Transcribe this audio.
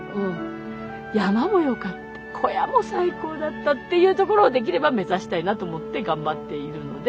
山も良かった小屋も最高だったっていうところをできれば目指したいなと思って頑張っているので。